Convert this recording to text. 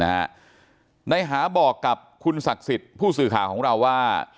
นายหาบอกกับคุณศักดิ์สิทธิ์ผู้สื่อข่าวของเราว่า